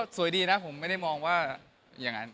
สวยดีนะผมไม่ได้มองว่าอย่างนั้น